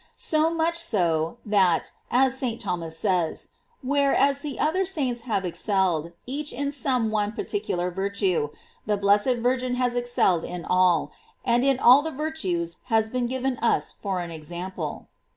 So much BO, that, as St. Thomas says, where as the other saints have excelled, each in some one particu lar virtue, the blessed Virgin has excelled in all, and in all the virtues has been given us for an example.